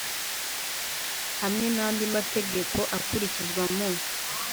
Hamwe N Andi Mategeko Akurikizwa Mu